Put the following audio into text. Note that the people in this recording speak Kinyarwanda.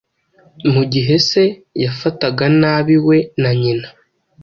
mu gihe se yabafataga nabi we na nyina.